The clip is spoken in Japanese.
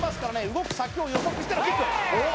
動く先を予測してのキックおお